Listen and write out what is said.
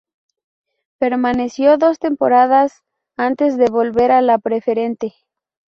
Permaneció dos temporadas antes de volver a la Preferente.